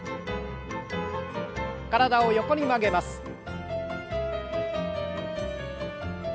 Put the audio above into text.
体を横に曲げます。